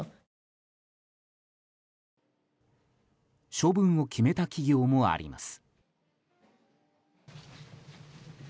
処分を決めた企業もあります。